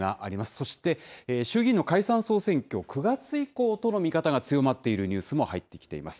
そして、衆議院の解散・総選挙、９月以降との見方が強まっているニュースも入ってきています。